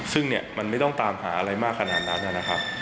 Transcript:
ซึ่งเนี่ยมันไม่ต้องตามหาอะไรมากขนาดนั้นนะครับ